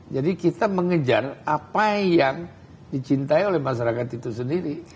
jadi kita mengejar apa yang dicintai oleh masyarakat itu sendiri